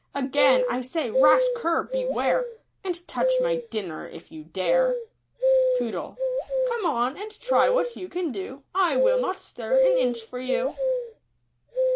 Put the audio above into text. Again I say, rash cur, beware. And touch my dinner if you dare ! Poodle . Come on, and try what you can do ; I will not stir an inch for you.